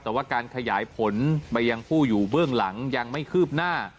แต่ว่าการขยายผลไปยังผู้อยู่เบื้องหลังยังไม่คืบหน้า